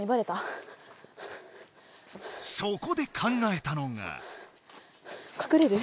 そこで考えたのが。